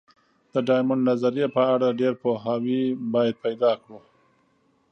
د ډایمونډ نظریې په اړه ډېر پوهاوی باید پیدا کړو.